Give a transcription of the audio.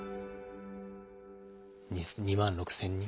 ２万６，０００人？